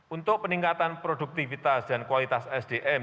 untuk peningkatan produktivitas dan kualitas sdm